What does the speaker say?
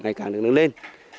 ngày càng được nước lên